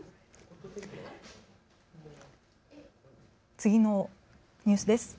次のニュースです。